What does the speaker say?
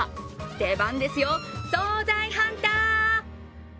出番ですよ、総菜ハンター！